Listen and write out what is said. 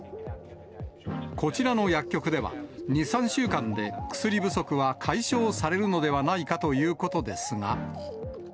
こちらの薬局では、２、３週間で、薬不足は解消されるのではないかということですが。